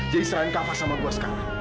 jadi serahin kava sama gua sekarang